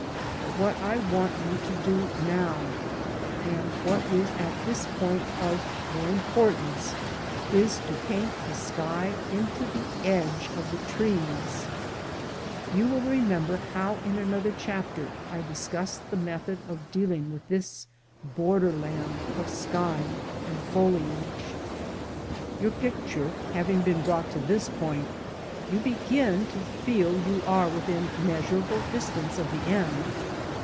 But what I want you to do now, and what is at this point of more importance, is to paint the sky into^the edge of^^t^^ You will remember how in another chapter (see p. 54) I discussed the method of dealing with this borderland of sky and foliage. Your picture having been brought to this point, you begin to feel you are within measurable distance of the end.